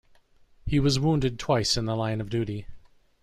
He was wounded twice in the line of duty.